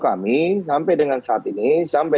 kami sampai dengan saat ini sampai